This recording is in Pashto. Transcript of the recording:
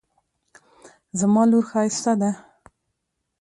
زما لور ښایسته ده